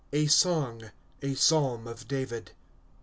A Song. A Psalm of Dayid.